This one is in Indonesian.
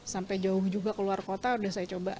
sampai jauh juga ke luar kota udah saya coba